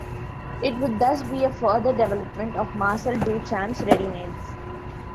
It would thus be a further development of Marcel Duchamp's readymades.